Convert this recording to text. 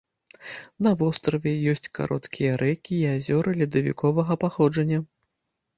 На востраве ёсць кароткія рэкі і азёры ледавіковага паходжання.